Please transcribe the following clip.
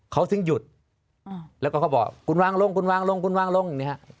เขาถึงหยุดแล้วก็เขาบอกคุณวางลงคุณวางลงคุณวางลงเนี่ยฮะ